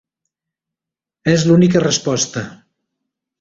És l'única resposta.